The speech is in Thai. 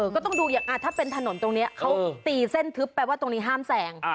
ก็ต้องดูอย่างถ้าเป็นถนนตรงนี้เขาตีเส้นทึบแปลว่าตรงนี้ห้ามแสง